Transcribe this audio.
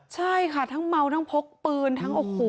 ใช่ค่ะทั้งเมาทั้งพกปืนทั้งโอ้โห